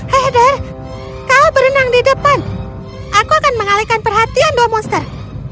heather kau berenang di depan aku akan mengalihkan perhatian dua monster